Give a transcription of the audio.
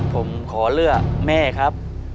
ผมขอเลือกแม่ครับ